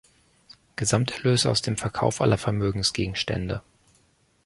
Gesamterlös aus dem Verkauf aller Vermögensgegenstände